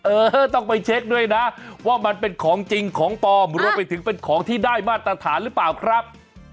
เออต้องไปเช็คด้วยนะว่ามันเป็นของจริงของปลอมรวมไปถึงเป็นของที่ได้มาตรฐานหรือเปล่าครับ